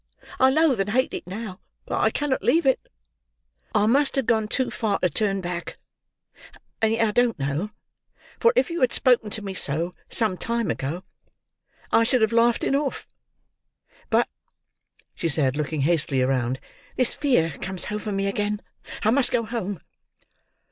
I loathe and hate it now, but I cannot leave it. I must have gone too far to turn back,—and yet I don't know, for if you had spoken to me so, some time ago, I should have laughed it off. But," she said, looking hastily round, "this fear comes over me again. I must go home."